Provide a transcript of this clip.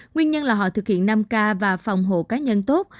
nguyên nhân là họ thực hiện năm k và phòng hộ cá nhân tốt